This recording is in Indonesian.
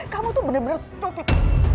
kamu tuh bener bener stopit